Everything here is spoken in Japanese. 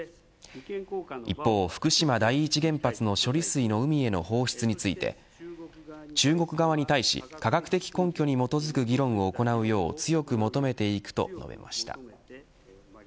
一方、福島第一原発の処理水の海への放出について中国側に対し、科学的根拠に基づく議論を行うよう強く求めていくと述べました。